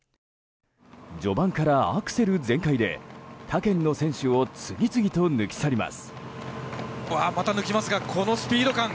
序盤からアクセル全開で他県の選手を次々と抜き去ります。